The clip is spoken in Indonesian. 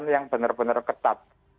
yang benar benar ketat